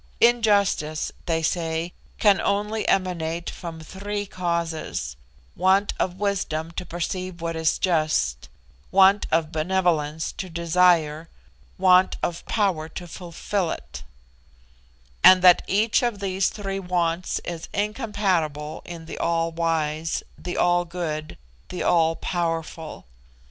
Injustice, they say, can only emanate from three causes: want of wisdom to perceive what is just, want of benevolence to desire, want of power to fulfill it; and that each of these three wants is incompatible in the All Wise, the All Good, the All Powerful.